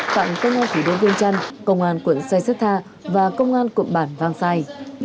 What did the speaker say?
tặng công an thủ đô vương trăn công an quận sai setha và công an cộng bản vang sai